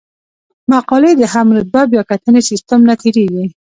مقالې د هم رتبه بیاکتنې سیستم نه تیریږي.